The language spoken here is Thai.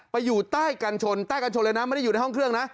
อยู่ใต้กันชนใต้กันชนเลยนะไม่ได้อยู่ในห้องเครื่องนะ